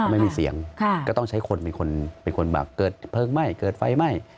ไม่มีเสียงก็ต้องใช้คนเป็นคนแบบเกิดเพลิงไหม้เกิดไฟไหม้